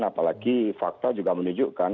apalagi fakta juga menunjukkan